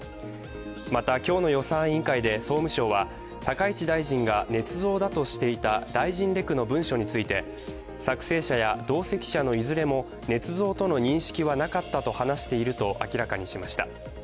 また、今日の予算委員会で総務省は高市大臣がねつ造だとしていた大臣レクの文書について作成者や同席者のいずれもねつ造との認識はなかったと話していると明らかにしました。